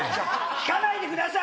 引かないでください！